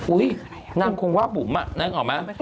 อุ๊ยนางคงว่าบุ๋มนั้นออกไหม